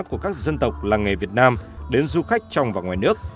của các dân tộc làng nghề việt nam đến du khách trong và ngoài nước